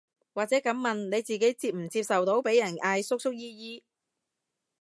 或者噉問，你自己接唔接受到被人嗌叔叔姨姨